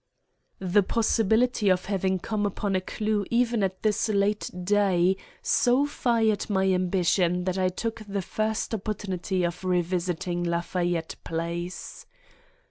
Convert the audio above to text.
The possibility of having come upon a clue even at this late day, so fired my ambition, that I took the first opportunity of revisiting Lafayette Place.